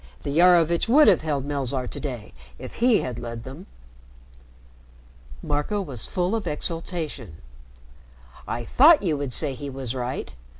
The Iarovitch would have held Melzarr to day if he had led them." Marco was full of exultation. "I thought you would say he was right.